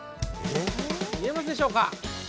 見えますでしょうか？